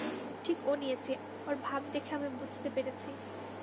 ঠিক ও নিয়েচে-ওর ভাব দেখে আমি বুঝতে পেরেছি।